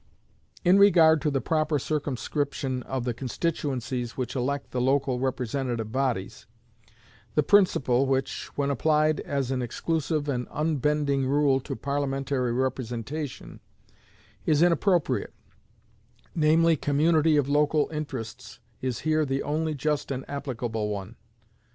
In regard to the proper circumscription of the constituencies which elect the local representative bodies, the principle which, when applied as an exclusive and unbending rule to Parliamentary representation, is inappropriate, namely community of local interests, is here the only just and applicable one.